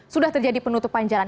sudah terjadi penutupan jalan